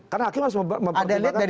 karena hakim harus mempersembahkan